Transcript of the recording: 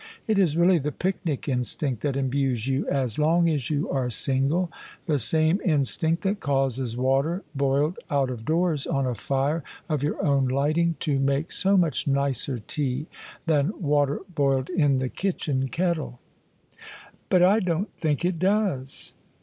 It is really the picnic instinct that imbues you as long as you are single — the same instinct that causes water boiled out of doors on a fire of your own lighting, to make so much nicer tea than water boiled in the kitchen kettle." " But I don't think it does."